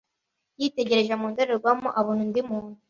Yitegereje mu ndorerwamo abona undi muntu.